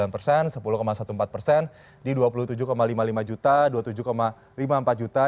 sembilan persen sepuluh empat belas persen di dua puluh tujuh lima puluh lima juta dua puluh tujuh lima puluh empat juta